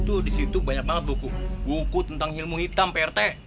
tuh di situ banyak banget buku buku tentang ilmu hitam prt